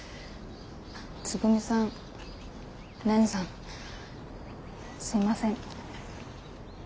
つぐみさん蓮さんすいません。